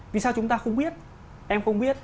vì sao chúng ta không biết em không biết